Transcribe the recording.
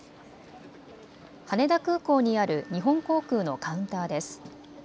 羽田空港にある日本航空のカウンターです。